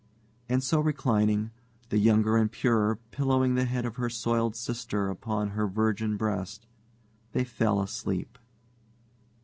And so reclining, the younger and purer pillowing the head of her soiled sister upon her virgin breast, they fell asleep.